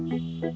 saya sudah lari